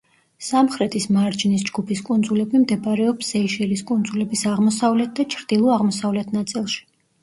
სამხრეთის მარჯნის ჯგუფის კუნძულები მდებარეობს სეიშელის კუნძულების აღმოსავლეთ და ჩრდილო-აღმოსავლეთ ნაწილში.